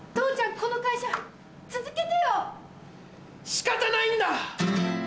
この会社続けてよ！仕方ないんだ！